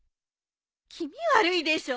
気味悪いでしょ？